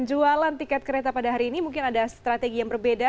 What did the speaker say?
jualan tiket kereta pada hari ini mungkin ada strategi yang berbeda